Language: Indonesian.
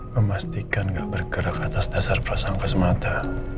memastikan nggak bergerak atas dasar prasangkas mata